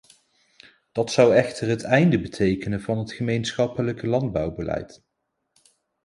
Dat zou echter het einde betekenen van het gemeenschappelijk landbouwbeleid.